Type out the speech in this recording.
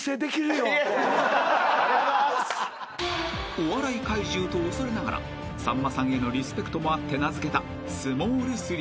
［お笑い怪獣と恐れながらさんまさんへのリスペクトもあって名付けたスモール３］